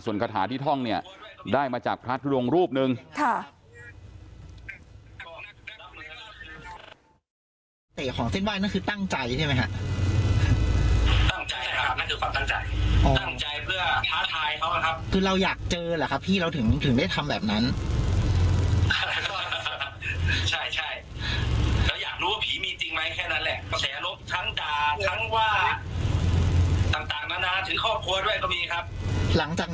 ส่วนคาถาที่ท่องเนี่ยได้มาจากพระทุดงรูปหนึ่ง